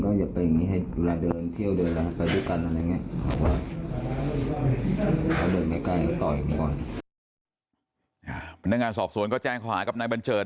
เดินหนีไปก่อนเลย